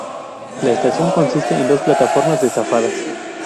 La estación consiste en dos plataformas desfasadas.